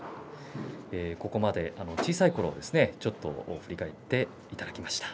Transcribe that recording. ここまで小さいころを振り返っていただきました。